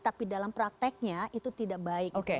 tapi dalam prakteknya itu tidak baik